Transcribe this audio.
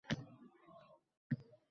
Ular uchrashdilar